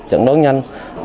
trận đối nhanh